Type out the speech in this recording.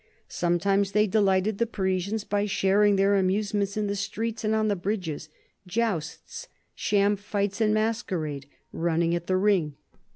Sometimes they delighted the Parisians by sharing their amusements in the streets and on the bridges— jousts, sham fights in masquerade, running at the ring.